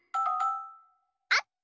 あった！